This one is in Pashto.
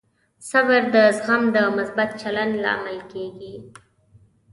صبر د زغم او مثبت چلند لامل کېږي.